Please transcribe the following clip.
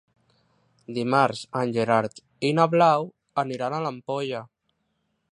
Dimarts en Gerard i na Blau aniran a l'Ampolla.